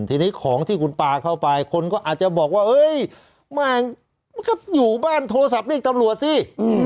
ทีนี้ของที่คุณปลาเข้าไปคนก็อาจจะบอกว่าเฮ้ยมันก็อยู่บ้านโทรศัพท์เรียกตำรวจสิ